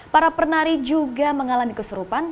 para penari juga mengalami keserupan